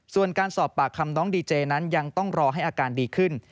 ส่วนการสอบปากคำน้องดีเจนั้นยังต้องรอให้อาการดีขึ้น